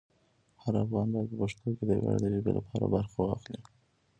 هر افغان باید په پښتو کې د ویاړ د ژبې لپاره برخه واخلي.